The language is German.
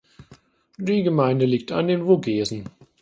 Die Gemeinde liegt in den Vogesen.